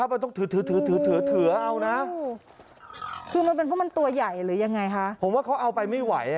ผมว่าเขาเอาไปไม่ไหว